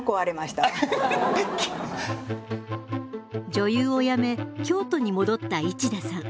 女優を辞め京都に戻った市田さん。